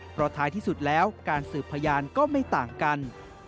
เพราะท้ายที่สุดแล้วการสืบพยานก็ไม่ต่างกัน